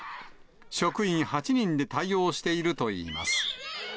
職員８人で対応しているといいます。